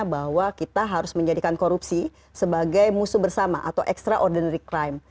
bahwa kita harus menjadikan korupsi sebagai musuh bersama atau extraordinary crime